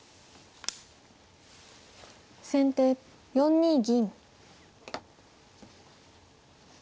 先手４二銀。